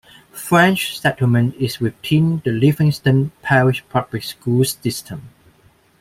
French Settlement is within the Livingston Parish Public Schools system.